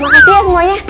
makasih ya semuanya